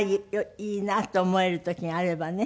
いいなと思える時があればね。